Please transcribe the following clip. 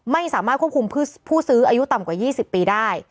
ไม่สามารถควบคุมผู้ซื้ออายุต่ำกว่า๒๐ปีได้